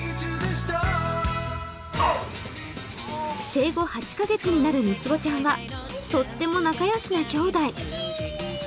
生後８カ月になる３つ子ちゃんはとっても仲良しなきょうだい。